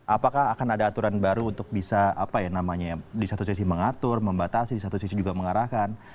apakah akan ada aturan baru untuk bisa apa ya namanya ya di satu sisi mengatur membatasi di satu sisi juga mengarahkan